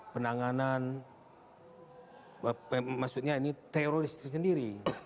penanganan maksudnya ini teroris tersendiri